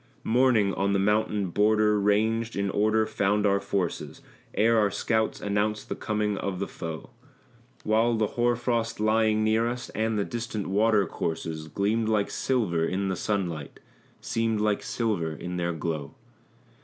Morning on the mountain border ranged in order found our forces, Ere our scouts announced the coming of the foe; While the hoar frost lying near us, and the distant water courses, Gleamed like silver in the sunlight, seemed like silver in their glow.